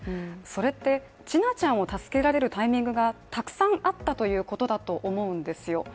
それって、千奈ちゃんを助けられるタイミングがたくさんあったということだと思うんですよ。